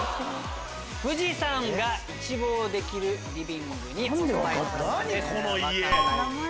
富士山が一望できるリビングにお住まいの方です。